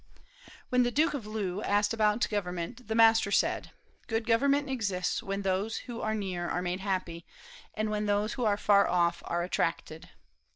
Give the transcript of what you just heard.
'" When the Duke of Loo asked about government, the master said: "Good government exists when those who are near are made happy, and when those who are far off are attracted."